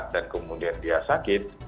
dan kemudian dia sakit